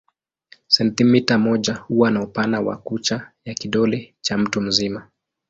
Sentimita moja huwa ni upana wa kucha ya kidole cha mtu mzima.